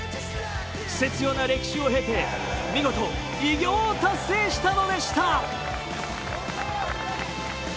クセ強な歴史を経て見事偉業を達成したのでした。